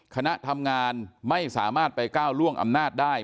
คณะทำงานไม่สามารถไปก้าวล่วงอำนาจได้